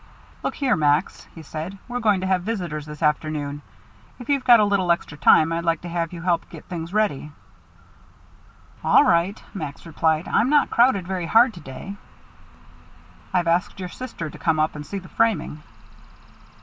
"Look here, Max," he said, "we're going to have visitors this afternoon. If you've got a little extra time I'd like to have you help get things ready." "All right," Max replied. "I'm not crowded very hard to day." "I've asked your sister to come up and see the framing."